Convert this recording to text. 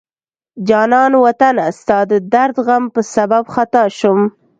جانان وطنه ستا د درد غم په سبب خطا شم